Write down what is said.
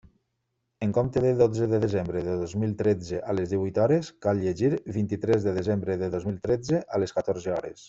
En compte de "dotze de desembre de dos mil tretze, a les díhuit hores", cal llegir: "vint-i-tres de desembre de dos mil tretze, a les catorze hores".